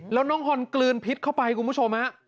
แล้วน้องฮอนกลืนพิษเข้าไปคุณผู้ชมฮะ